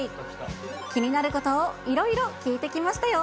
気になることをいろいろ聞いてきましたよ。